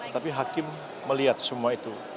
tapi hakim melihat semua itu